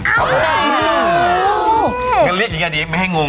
จะเรียกอย่างนี้ไม่ให้งง